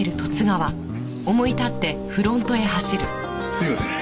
すいません。